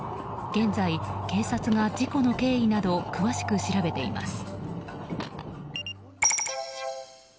現在、警察が事故の経緯など詳しく調べています。